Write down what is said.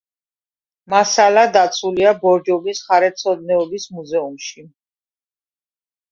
მასალა დაცულია ბორჯომის მხარეთმცოდნეობის მუზეუმში.